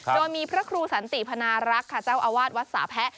โดยมีพระครูสันติพนารักษ์ค่ะเจ้าอาวาสวัดสาแพะ